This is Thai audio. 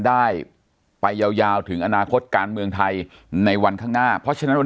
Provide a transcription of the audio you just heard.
ได้ไปยาวยาวถึงอนาคตการเมืองไทยในวันข้างหน้าเพราะฉะนั้นวัน